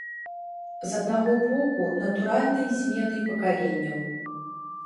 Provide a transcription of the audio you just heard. З аднаго боку, натуральнай зменай пакаленняў.